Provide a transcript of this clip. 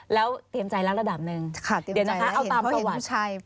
แล้วเตรียมใจแล้วระดับหนึ่งเดี๋ยวนะคะเอาตามประวัติ